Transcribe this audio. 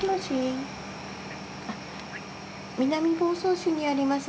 南房総市にあります